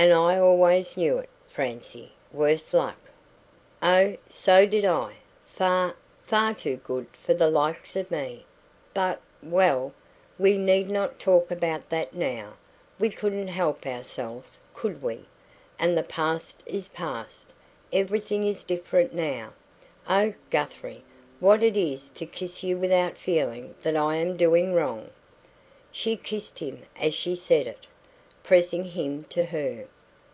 "And I always knew it, Francie, worse luck!" "Oh, so did I! Far far too good for the likes of me. But well, we need not talk about that now. We couldn't help ourselves, could we? And the past is past; everything is different now. Oh, Guthrie, what it is to kiss you without feeling that I am doing wrong!" She kissed him as she said it, pressing him to her.